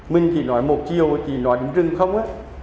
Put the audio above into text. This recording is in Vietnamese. mình chỉ nói một chiều chỉ nói đến rừng không á